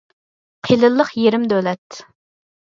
قېلىنلىق يېرىم دۆلەت.